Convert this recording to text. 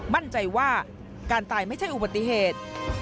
มั่นใจว่าการตายไม่ใช่อุบัติเหตุ